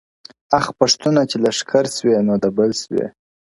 اخ پښتونه چي لښکر سوې نو دبل سوې,